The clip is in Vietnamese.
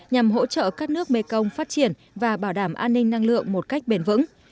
nhằm hỗ trợ các nước mekong phát triển và bảo đảm an ninh năng lượng một cách bền vững